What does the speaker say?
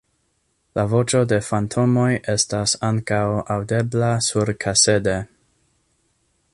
La voĉo de fantomoj estas ankaŭ aŭdebla surkasede.